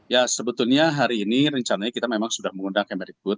ya sebetulnya hari ini rencananya kita memang sudah mengundang kemerikbud